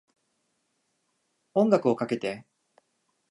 音楽をかけて